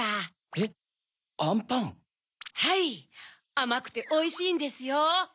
あまくておいしいんですよ！